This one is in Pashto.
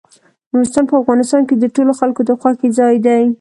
نورستان په افغانستان کې د ټولو خلکو د خوښې ځای دی.